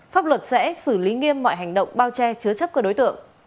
pháp luật sẽ xử lý nghiêm mọi hành động bao che chứa chấp các đối tượng